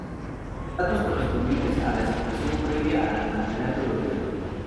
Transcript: Datos correspondientes a la situación previa al Campeonato Europeo.